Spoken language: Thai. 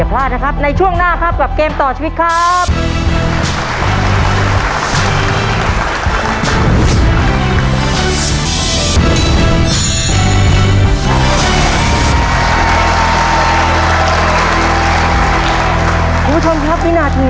ต่อไปนี้นะครับจะตัดสินอนาคตครอบครัวน้องเมจากจังหวัดชนบุรีนะครับ